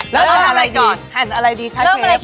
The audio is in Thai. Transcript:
แล้วทำอะไรดีหั่นอะไรดีคะเชฟ